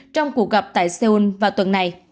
trong cuộc gặp tại seoul vào tuần này